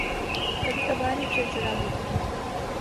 کبھی کبھار ہی چڑچڑا ہوتا ہوں